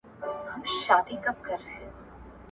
د امیر خسرو دهلوي اثار ولې مهم ګڼل کیږي؟